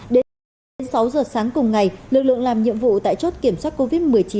đến sáu giờ sáng cùng ngày lực lượng làm nhiệm vụ tại chốt kiểm soát covid một mươi chín